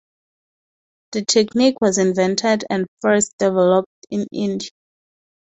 The technique was invented and first developed in India.